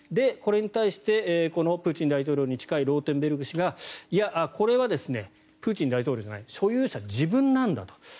これに対してこのプーチン大統領に近いローテンベルク氏がこれはプーチン大統領じゃない所有者は自分なんだと。